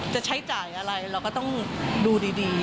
จะใช้จ่ายอะไรเราก็ต้องดูดี